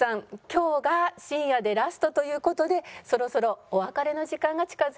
今日が深夜でラストという事でそろそろお別れの時間が近づいて参りました。